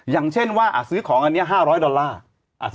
ยังเช่นว่าซื้อของ๕๐๐ดอลลาร์